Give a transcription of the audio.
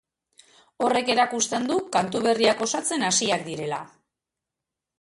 Horrek erakusten du kantu berriak osatzen hasiak direla.